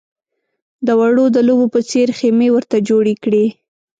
د وړو د لوبو په څېر خېمې ورته جوړې کړې.